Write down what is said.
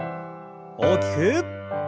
大きく。